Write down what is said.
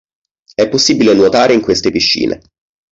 È possibile nuotare in queste piscine.